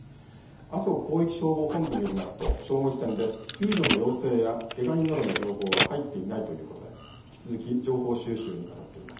阿蘇広域消防本部によりますと正午時点で救助の要請やけが人などの情報は入っていないということで引き続き、情報収集にあたっています。